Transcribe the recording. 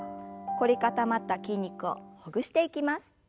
凝り固まった筋肉をほぐしていきます。